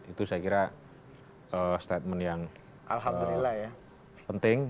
itu saya kira statement yang penting